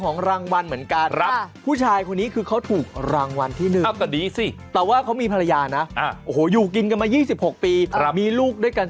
กูจะได้เป็นผู้บุ๊กบกบุ๊กเบิ้ล